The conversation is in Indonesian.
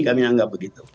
kami anggap begitu